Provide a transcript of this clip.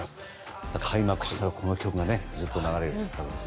開幕したらこの曲がずっと流れると。